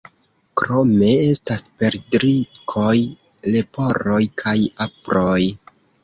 Krome estas perdrikoj, leporoj kaj aproj.